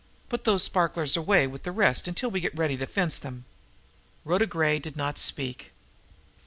Put those sparklers away with the rest until we get ready to 'fence' them." Rhoda Gray did not speak.